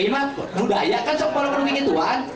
iman budaya kan sopor sopor begituan